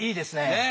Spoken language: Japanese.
ねえ。